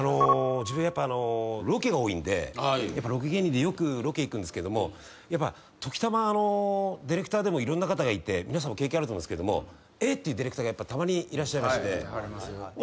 自分やっぱロケが多いんでロケ芸人でよくロケ行くんですけどもやっぱ時たまディレクターでもいろんな方がいて皆さんも経験あると思うんですけどもえっ？っていうディレクターがたまにいらっしゃいまして。